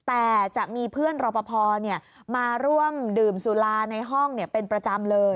แต่จะมีเพื่อนรอปภมาร่วมดื่มสุราในห้องเป็นประจำเลย